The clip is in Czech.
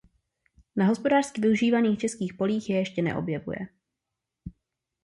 Na hospodářsky využívaných českých polích se ještě neobjevuje.